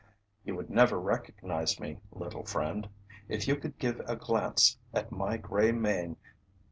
You would never recognize me, little friend, if you could give a glance at my gray mane.